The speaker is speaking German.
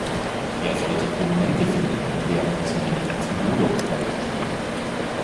Er sollte Prominente finden, die während des Main Events in Bodog-Kleidung spielen.